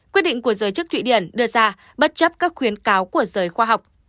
quyết định của giới chức thụy điển đưa ra bất chấp các khuyến cáo của giới khoa học